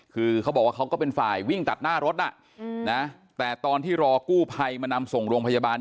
คือเขาบอกว่าเขาก็เป็นฝ่ายวิ่งตัดหน้ารถแต่ตอนที่รอกู้ภัยมานำส่งโรงพยาบาล